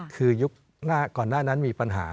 คือยุคก่อนหน้านั้นมีปัญหา